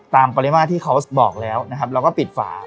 ตามปริมาทที่เขาบอกแล้วเราก็ปิดฝา